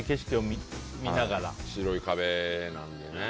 白い壁なんでね。